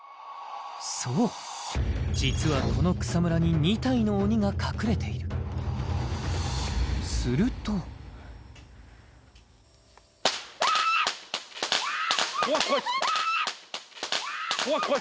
そう実はこの草むらに２体の鬼が隠れているするとやー怖い怖い怖い！